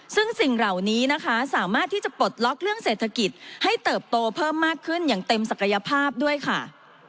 ซึ่งสิ่งเหล่านี้นะคะสามารถที่จะปลดล็อกเรื่องเศรษฐกิจให้เติบโตเพิ่มมากขึ้นอย่างเต็มศักยภาพด้วยค่ะ